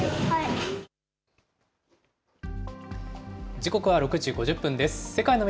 時刻は６時５０分です。